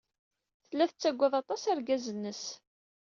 Tella tettagad aṭas argaz-nnes.